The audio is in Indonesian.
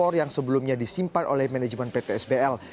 motor yang sebelumnya disimpan oleh manajemen pt sbl